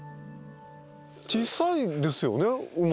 小さいですよね馬。